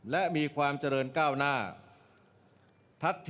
และมีความเจริญก้าวหน้า